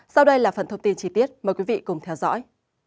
sau đây là phần thông tin chi tiết mời quý vị cùng theo dõi